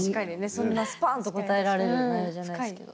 そんなスパンと答えられるお題じゃないですけど。